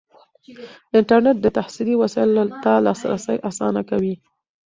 انټرنیټ د تحصیلي وسایلو ته لاسرسی اسانه کوي.